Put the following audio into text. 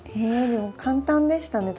でも簡単でしたね